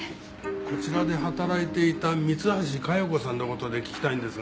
こちらで働いていた三橋加代子さんの事で聞きたいんですが。